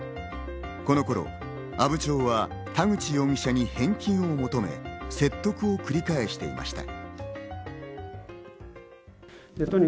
この頃、阿武町は田口容疑者に返金を求め、説得を繰り返していました。